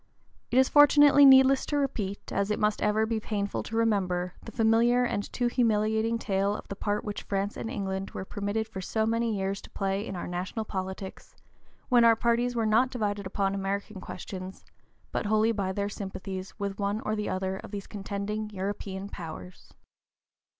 It is fortunately needless to repeat, as it must ever be painful to remember, the familiar and too humiliating tale of the part which France and England were permitted for so many years to play in our national politics, when our parties were not divided upon American (p. 038) questions, but wholly by their sympathies with one or other of these contending European powers.